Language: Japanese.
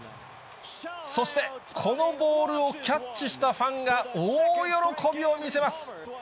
そして、このボールをキャッチしたファンが大喜びを見せます。